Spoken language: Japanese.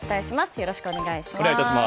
よろしくお願いします。